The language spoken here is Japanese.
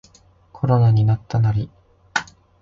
コロナになったナリ